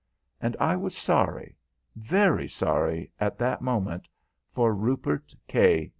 And I was sorry very sorry, at that moment for Rupert K.